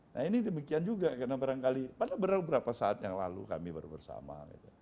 nah ini demikian juga karena barangkali pada beberapa saat yang lalu kami baru bersama